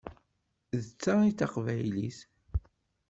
D ta i d taqbaylit!